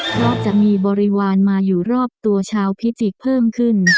เพราะจะมีบริวารมาอยู่รอบตัวชาวพิจิกษ์เพิ่มขึ้น